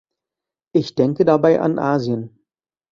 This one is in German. Ich denke dabei an Asien.